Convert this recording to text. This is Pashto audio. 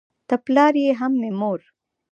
ته پلار یې هم مې مور